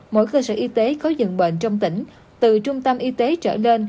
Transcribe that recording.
mỗi cơ sở y tế có dường bệnh trong tỉnh từ trung tâm y tế trở lên